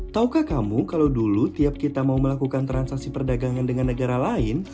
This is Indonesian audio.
taukah kamu kalau dulu tiap kita mau melakukan transaksi perdagangan dengan negara lain